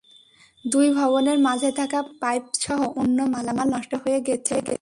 দুই ভবনের মাঝে থাকা পানির পাইপসহ অন্য মালামাল নষ্ট হয়ে গেছে।